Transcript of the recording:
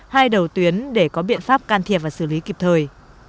hai đầu tuyến để có biện pháp can thiệp và xử lý kịp thời